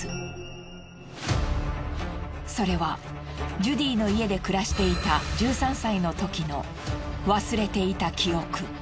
それはジュディの家で暮らしていた１３歳の時の忘れていた記憶。